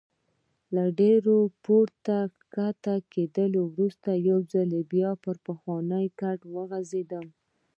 له ډېر پورته کښته کېدو وروسته یو ځل بیا پر پخواني کټ وغځېدم.